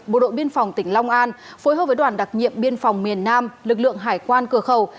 bộ đội biên phòng tỉnh long an phối hợp với đoàn đặc nhiệm biên phòng miền nam lực lượng hải quan cửa khẩu